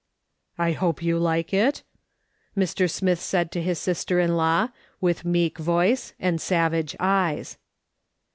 "I hope you like it?" Mr. Smith said to his sister in law, with meek voice and savage eyes.